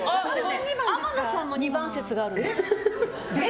天野さんも２番説がある。